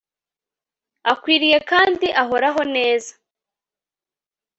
akwiriye kandi ahoraho neza